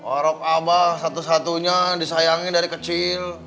orang abah satu satunya disayangi dari kecil